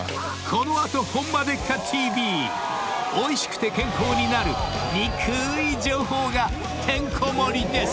［この後『ホンマでっか⁉ＴＶ』おいしくて健康になるにくーい情報がてんこ盛りです］